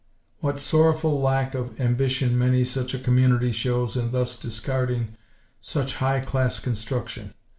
What sorrowful lack of ambition many such a community shows in thus discarding such high class construction!